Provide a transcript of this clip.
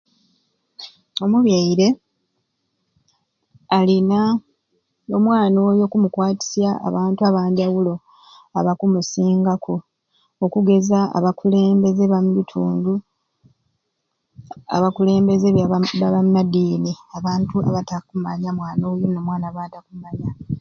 Omubyaire alina omwana oyo okumukwatisya abantu abanjawulo abakumusingaku okugeza abakulembeze bambitundu, abakulembeze beba ba madini abantu abatakumanya mwana oyo no mwana batakumanya.